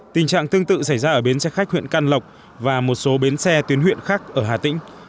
tình trạng tương tự xảy ra ở bến xe khách huyện can lộc và một số bến xe tuyến huyện khác ở hà tĩnh